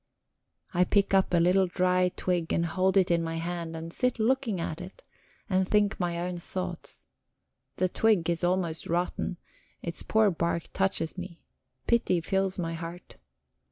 I pick up a little dry twig and hold it in my hand and sit looking at it, and think my own thoughts; the twig is almost rotten, its poor bark touches me, pity fills my heart.